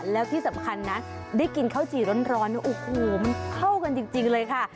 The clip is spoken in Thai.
แล้วที่สำคัญนะได้กินข้าวจี่ร้อนโอ้โหมันเข้ากันจริงเลยค่ะ